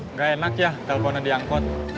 nggak enak ya teleponnya di angkot